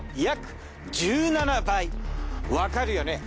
わかるよね？